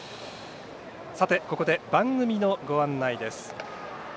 さて、ここで番組のご案内です。